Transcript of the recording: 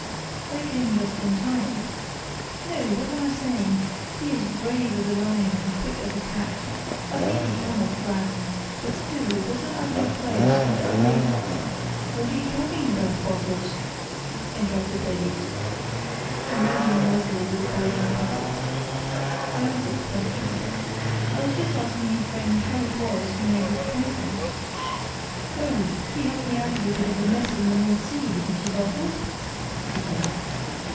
"I came just in time. No! what am I saying? He is brave as a lion and quick as a cat. I think he cannot drown; but still it was an ugly place and ugly——" "What are you talking about, Bartels?" interrupted Davies, emerging noisily with a boiling kettle. I answered the question. "I was just asking your friend how it was you made his acquaintance." "Oh, he helped me out of a bit of a mess in the North Sea, didn't you, Bartels?" he said.